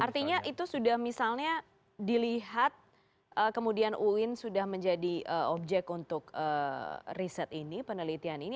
artinya itu sudah misalnya dilihat kemudian uin sudah menjadi objek untuk riset ini penelitian ini